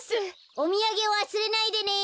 おみやげわすれないでね！